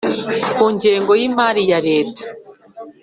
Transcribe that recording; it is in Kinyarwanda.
Ku ngengo y imari ya leta